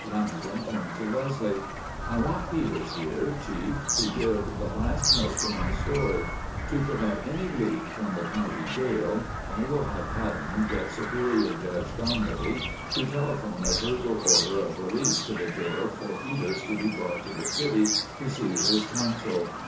Lanagan turned to Leslie: "I want Peters here, Chief, to give the last note to my story. To prevent any 'leak' from the county jail, I will have Haddon get Superior Judge Dunlevy to telephone a verbal order of release to the jail for Peters to be brought to the city to see his council.